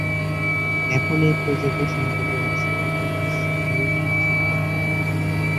এখন এই প্রজাতিটি সংকটে আছে আবাসস্থল ধ্বংসের কারণে।